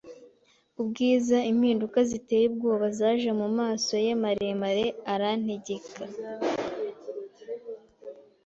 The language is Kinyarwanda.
ubwiza, impinduka ziteye ubwoba zaje mumaso ye maremare, arantegeka